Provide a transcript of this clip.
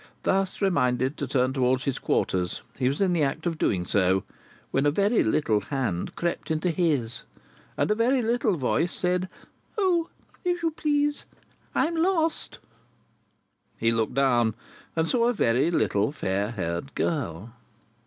Thus reminded to turn towards his quarters, he was in the act of doing so, when a very little hand crept into his, and a very little voice said: "O! If you please, I am lost." He looked down, and saw a very little fair haired girl.